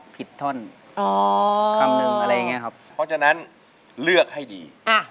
เพราะฉะนั้นเลือกให้ดี